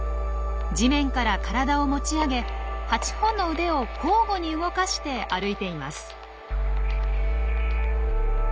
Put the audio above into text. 地面から体を持ち上げ８本の腕を交互に動かして歩いています。